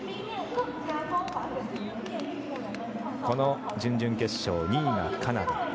この準々決勝、２位がカナダ。